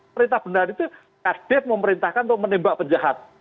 perintah benar itu kadin memerintahkan untuk menembak penjahat